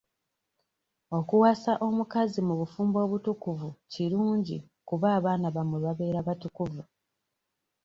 Okuwasa omukazi mu bufumbo obutukuvu kirungi kuba abaana bammwe babeera batukuvu.